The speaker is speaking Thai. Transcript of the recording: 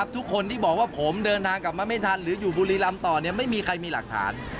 ทุกคนที่บอกว่าผมเดินทางกลับมาไม่ทันหรืออยู่บุรีรำต่อไม่มีใครมีหลักฐาน